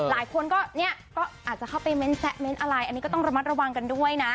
หลายคนก็เนี่ยก็อาจจะเข้าไปเน้นแซะเน้นอะไรอันนี้ก็ต้องระมัดระวังกันด้วยนะ